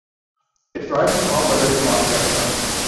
It thrives in hot weather but not direct sunlight.